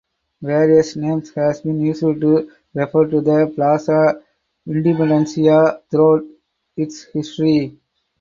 Various names has been used to refer to the Plaza Independencia throughout its history.